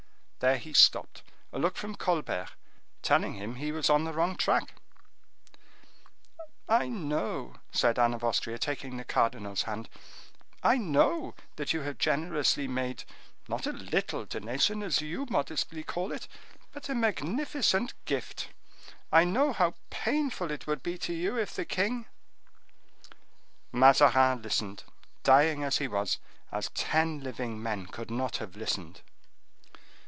There he stopped, a look from Colbert telling him he was on the wrong track. "I know," said Anne of Austria, taking the cardinal's hand, "I know that you have generously made, not a little donation, as you modestly call it, but a magnificent gift. I know how painful it would be to you if the king—" Mazarin listened, dying as he was, as ten living men could not have listened.